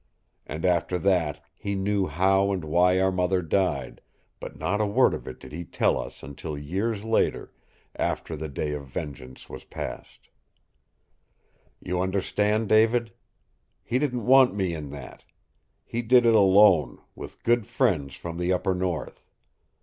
And after that he knew how and why our mother died, but not a word of it did he tell us until years later after the day of vengeance was past. "You understand, David? He didn't want me in that. He did it alone, with good friends from the upper north.